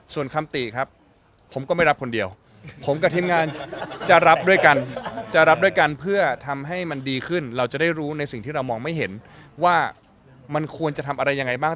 ส่วนคำติครับผมก็ไม่รับคนเดียวผมกับทีมงานจะรับด้วยกันจะรับด้วยกันเพื่อทำให้มันดีขึ้นเราจะได้รู้ในสิ่งที่เรามองไม่เห็นว่ามันควรจะทำอะไรยังไงบ้าง